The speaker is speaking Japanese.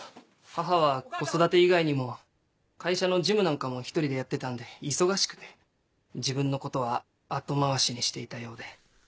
母は子育会社の事務なんかも１人でやってたんで忙しくて自分のことは後回しにしていたようで。